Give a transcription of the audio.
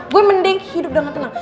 gue mending hidup dengan tenang